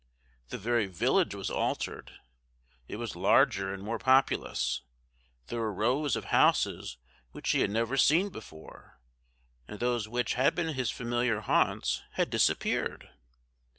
The very village was altered: it was larger and more populous. There were rows of houses which he had never seen before, and those which had been his familiar haunts had disappeared.